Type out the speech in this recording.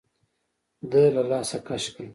ده له لاسه کش کړه.